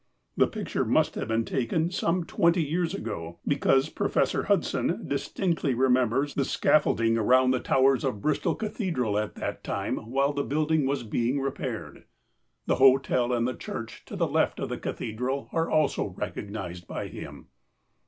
The picture must have been taken some twenty years ago, because Prof. Hudson distinctly remembers the scaffolding around the towers PRINCIPLES OF TAXATION. 165 of Bristol Cathedral at that time while the building was being repaired. The hotel and the church to the left of the cathedral are also recognized by him.